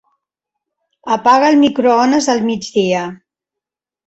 Apaga el microones al migdia.